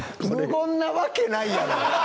無言なわけないやろ。